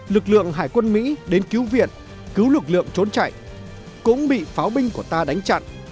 lực lượng hải quân mỹ đến cứu viện cứu lực lượng trốn chạy cũng bị pháo binh của ta đánh chặn